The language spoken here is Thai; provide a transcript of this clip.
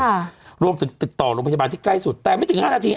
ค่ะรวมถึงติดต่อโรงพยาบาลที่ใกล้สุดแต่ไม่ถึงห้านาที